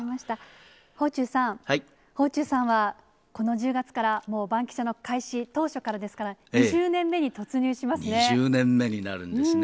芳忠さん、芳忠さんはこの１０月から、もうバンキシャの開始当初からですから、２０年目になるんですね。